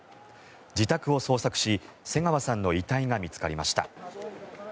自宅を捜索し、瀬川さんの遺体が見つかりました。